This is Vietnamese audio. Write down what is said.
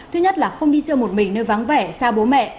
thứ nhất là không đi chơi một mình nơi vắng vẻ xa bố mẹ